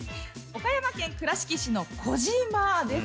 岡山県倉敷市の児島です